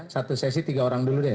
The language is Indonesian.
satu sesi tiga orang dulu deh